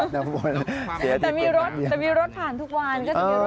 แต่มีรถผ่านทุกวันก็จะมีรถใหม่ผ่านทุกวัน